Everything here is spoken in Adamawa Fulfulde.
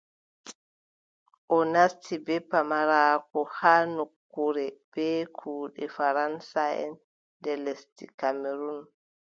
O nasti bee pamaraaku haa nokkure bee kuuɗe faraŋsaʼen nder lesdi Kamerun,